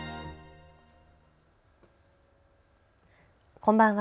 こんばんは。